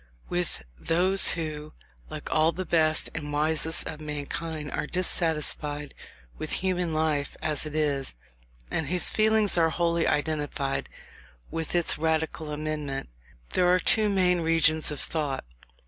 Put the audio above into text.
With those who, like all the best and wisest of mankind, are dissatisfied with human life as it is, and whose feelings are wholly identified with its radical amendment, there are two main regions of thought.